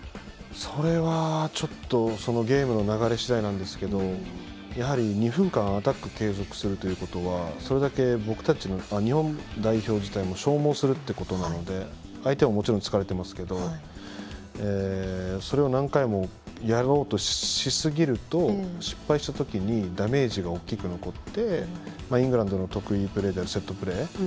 それはゲームの流れ次第なんですけどやはり、２分間アタックを継続するということはそれだけ日本代表自体も消耗するということなので相手はもちろん疲れてますけどそれを何回もやろうとしすぎると失敗した時にダメージが大きく残ってイングランドの得意プレーであるセットプレー